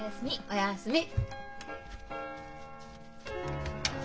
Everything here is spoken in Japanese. おやすみ。